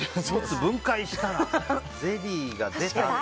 分解したらゼリーが出たって。